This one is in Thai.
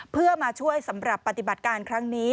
เพื่อมาช่วยสำหรับปฏิบัติการครั้งนี้